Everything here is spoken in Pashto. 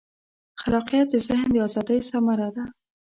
خلاقیت د ذهن د ازادۍ ثمره ده.